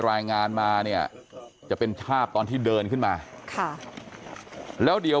รายงานมาเนี่ยจะเป็นภาพตอนที่เดินขึ้นมาค่ะแล้วเดี๋ยว